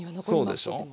そうでしょ。